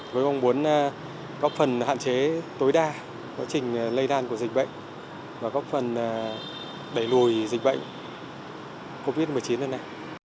với mong muốn góp phần hạn chế tối đa quá trình lây lan của dịch bệnh và góp phần đẩy lùi dịch bệnh covid một mươi chín lần này